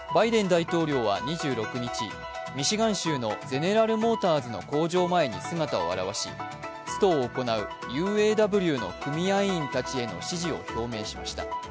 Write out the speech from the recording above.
バイデン大統領は２６日、ミシガン州のゼネラルモーターズの工場の前に姿を現し、ストを行うＵＡＷの組合員たちへの支持を表明しました。